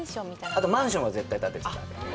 あとマンションは絶対建てちゃダメ。